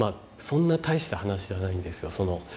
そんな大した話じゃないんですよ。